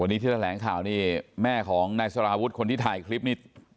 วันนี้ที่แถลงข่าวนี่แม่ของนายสารวุฒิคนที่ถ่ายคลิปนี้